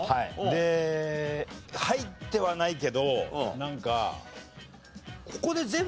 で入ってはないけどなんか。